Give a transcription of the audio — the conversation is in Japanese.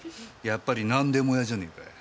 やっぱりなんでも屋じゃねえかよ。